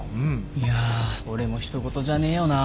いや俺も人ごとじゃねえよな。